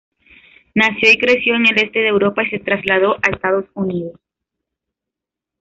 Nació y creció en el este de Europa y se trasladó a Estados Unidos.